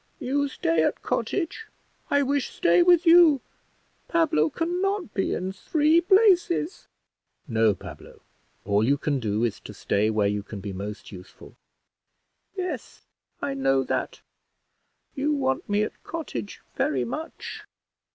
You stay at cottage I wish stay with you. Pablo can not be in three places." "No, Pablo; all you can do is to stay where you can be most useful." "Yes, I know that. You want me at cottage very much.